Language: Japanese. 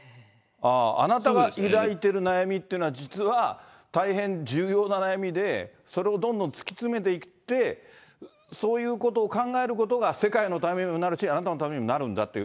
あなたが抱いてる悩みっていうのは、実は、大変重要な悩みで、それをどんどん突き詰めていって、そういうことを考えることが世界のためにもなるし、あなたのためにもなるんだって。